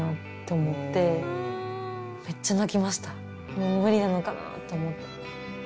もう無理なのかなって思って。